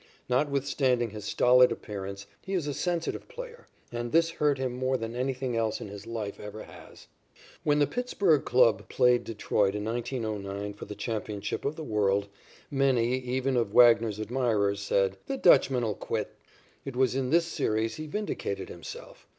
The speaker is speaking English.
Notwithstanding his stolid appearance, he is a sensitive player, and this hurt him more than anything else in his life ever has. When the Pittsburg club played Detroit in 1909 for the championship of the world, many, even of Wagner's admirers, said, "The Dutchman will quit." It was in this series he vindicated himself.